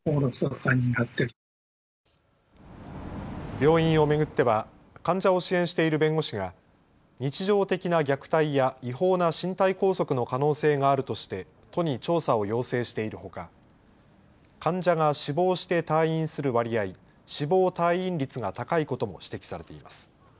病院を巡っては患者を支援している弁護士が日常的な虐待や違法な身体拘束の可能性があるとして都に調査を要請しているほか患者が死亡して退院する割合、死亡退院率が高いことも指摘されています。